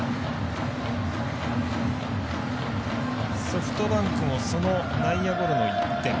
ソフトバンクもその内野ゴロの１点。